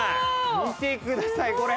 見てくださいこれ。